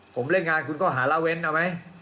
ผมเล่นงานคุณก็หาละเว้นเอาไหม